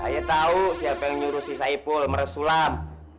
ayo tau siapa yang nyuruh si saipul meresulah